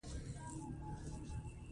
افغانستان د پامیر د ساتنې لپاره قوانین لري.